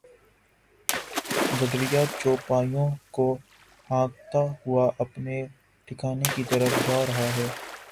گڈریا چوپایوں کو ہانکتا ہوا اپنے ٹھکانے کی طرف جا رہا تھا